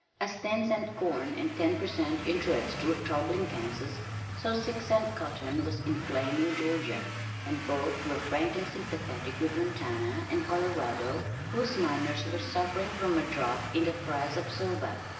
As ten cent corn and ten per cent interest were troubling Kansas so six cent cotton was inflaming Georgia and both were frankly sympathetic with Montana and Colorado whose miners were suffering from a drop in the price of silver.